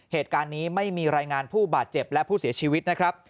เหตุการณ์นี้ไม่มีรายงานผู้บาดเจ็บและผู้เสียชีวิตนะครับ